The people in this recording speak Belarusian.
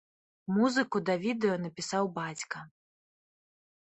Музыку да відэа напісаў бацька.